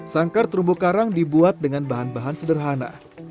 sangkar terumbu karang dibuat dengan bahan bahan sederhana